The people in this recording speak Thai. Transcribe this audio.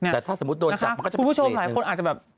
แต่ถ้าสมมุติโดนจับมันก็จะคุณผู้ชมหลายคนอาจจะแบบ